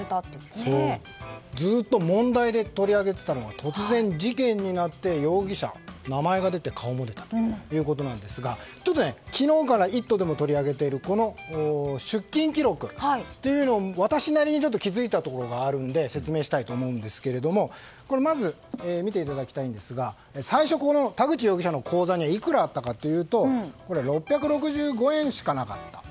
ずっと問題で取り上げてたのが突然事件になって容疑者の名前が出て顔も出たということなんですが昨日から「イット！」でも取り上げているこの出金記録、私なりに気付いたところがあるので説明したいと思うんですがまず、見ていただきたいんですが最初、田口容疑者の口座にはいくらあったかというと６６５円しかなかった。